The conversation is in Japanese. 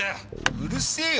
うるせえよ